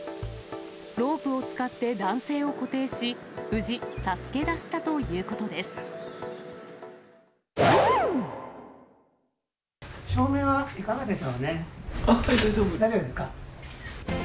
ロープを使って男性を固定し、無事、助け出したということです。